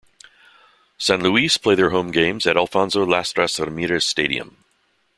San Luis play their home games at Alfonso Lastras Ramirez Stadium.